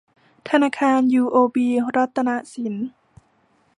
ธนาคารยูโอบีรัตนสิน